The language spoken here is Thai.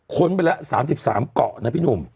ไปแล้ว๓๓เกาะนะพี่หนุ่ม